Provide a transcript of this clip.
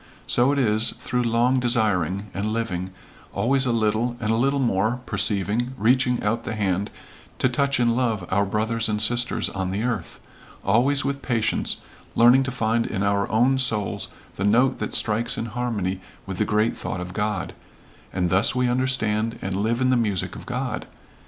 So it is, through long desiring, and living, always a little and a little more perceiving, reaching out the hand to touch in love our brothers and sisters on the earth, always with patience learning to find in our own souls the note that strikes in harmony with the great thought of God and thus we understand and live in the music of God.